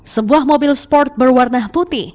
sebuah mobil sport berwarna putih